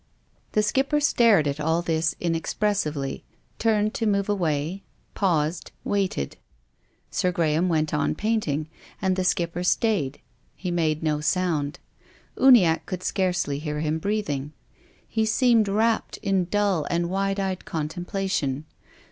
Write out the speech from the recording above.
The Skipper stared at all this inexpres sively, turned to move away, paused, waited. Sir Graham went on painting ; and the Skipper stayed. He made no sound. Uniacke could scarcely hear him breathing. He seemed wrapped in dull and wide eyed contemplation.